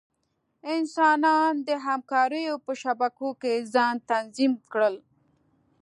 انسانان د همکاریو په شبکو کې ځان تنظیم کړل.